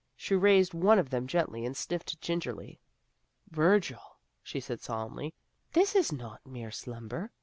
She raised one of them gently, and sniffed gingerly. "Virgil," she said solemnly, "this is not mere slumber.